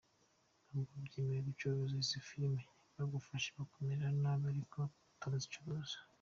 Ntabwo byemewe gucuruza izi filime, bagufashe bakumerera nabi ariko turazicuruza”.